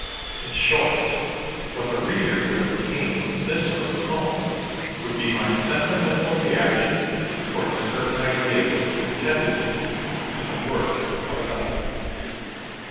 In short, what the reader would obtain from this sort of poem would be my sentimental reaction towards certain ideas and tendencies in the work of another.